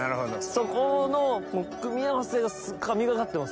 そこの組み合わせが神がかってますよ。